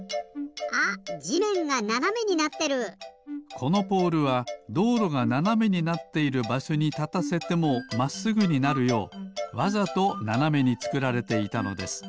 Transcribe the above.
このポールはどうろがななめになっているばしょにたたせてもまっすぐになるようわざとななめにつくられていたのです。